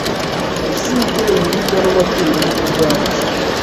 Usibye ibiribwa n’amatungo nibyo byabuze